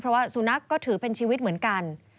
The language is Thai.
เพราะว่าสุนัขก็ถือเป็นชีวิตเหมือนกัน